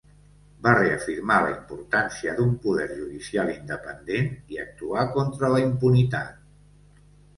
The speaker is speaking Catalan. Va reafirmar la importància d'un poder judicial independent i actuar contra la impunitat.